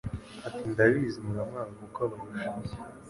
Ati ndabizi muramwanga kuko abarusha